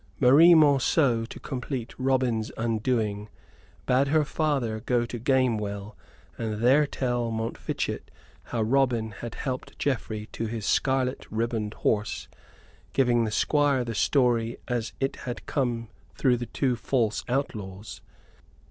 Marie Monceux, to complete Robin's undoing, bade her father go to Gamewell and there tell Montfichet how Robin had helped Geoffrey to his scarlet ribboned horse, giving the Squire the story as it had come through the two false outlaws.